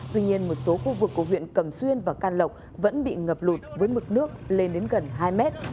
tuy nhiên một số khu vực của huyện cầm xuyên và can lộc vẫn bị ngập lụt với mực nước lên đến gần hai mét